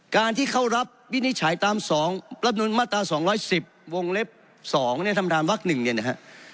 การที่เขารับวินิจฉัยตาม๒ปรับนุนมาตรา๒๑๐วงเล็บ๒ในธรรมดาลวักหนึ่งเนี่ยนะครับ